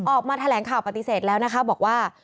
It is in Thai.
ออกมาแถลงข่าวปฏิเสธแล้วนะคะบอกว่า